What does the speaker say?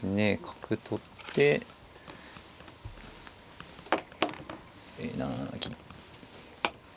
角取って７七銀。